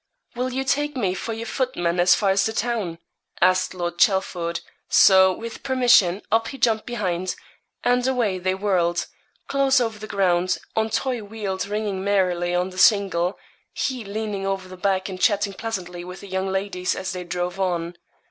'Will you take me for your footman as far as the town?' asked Lord Chelford; so, with permission, up he jumped behind, and away they whirled, close over the ground, on toy wheels ringing merrily on the shingle, he leaning over the back and chatting pleasantly with the young ladies as they drove on.